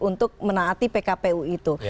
untuk menaati pkpu itu